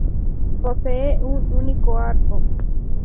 Posee un único arco.